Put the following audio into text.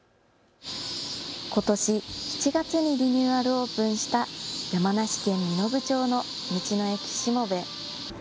ことし７月にリニューアルオープンした山梨県身延町の道の駅しもべ。